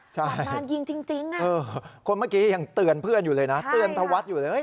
ใช่มายิงจริงคนเมื่อกี้ยังเตือนเพื่อนอยู่เลยนะเตือนธวัฒน์อยู่เลย